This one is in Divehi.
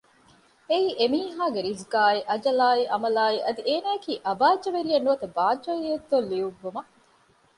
އެއީ އެ މީހާގެ ރިޒުގާއި އަޖަލާއި ޢަމަލާއި އަދި އޭނާއަކީ އަބާއްޖަވެރިއެއް ނުވަތަ ބާއްޖަވެރިއެއްތޯ ލިޔުއްވުމަށް